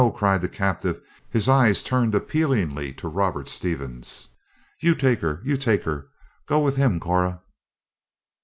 cried the captive, his eyes turned appealingly to Robert Stevens. "You take her; you take her. Go with him, Cora."